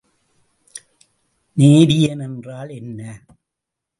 நேரியன் என்றால் என்ன?